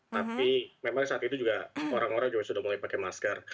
tapi memang saat itu juga orang orang juga sudah mulai pakai masker